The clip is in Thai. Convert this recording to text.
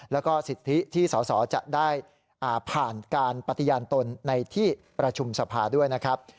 แล้วก็สิทธิที่สอสอจะได้ผ่านการปฏิญาณตนในที่ประชุมสภาด้วยนะครับ